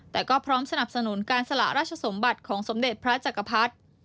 แต่ก็พร้อมสนับสนุนการสละราชสมบัติของสมเด็จพระจักรพรรดิ